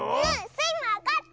スイもわかった！